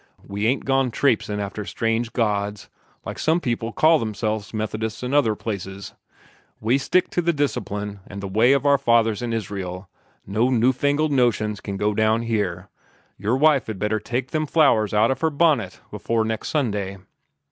We ain't gone traipsin' after strange gods, like some people that call themselves Methodists in other places. We stick by the Discipline an' the ways of our fathers in Israel. No new fangled notions can go down here. Your wife'd better take them flowers out of her bunnit afore next Sunday."